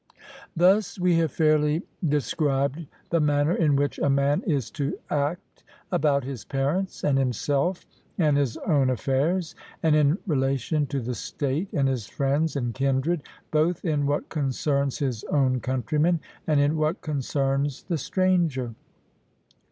Thus we have fairly described the manner in which a man is to act about his parents, and himself, and his own affairs; and in relation to the state, and his friends, and kindred, both in what concerns his own countrymen, and in what concerns the stranger.